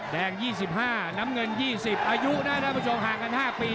แดง๒๕น้ำเงิน๒๐อายุได้มาส่งห่างกัน๕ปี